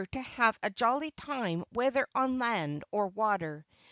_] to have a jolly time whether on land or water.